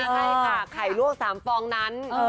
ใช่ค่ะไข่ลวก๓ฟองนั้น